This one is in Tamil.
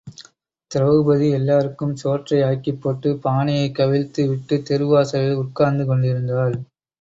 திரெளபதி எல்லோருக்கும் சோற்றை ஆக்கிப் போட்டுப் பானையைக் கவிழ்த்து விட்டுத் தெருவாசலில் உட்கார்ந்து கொண்டிருந்தாள்.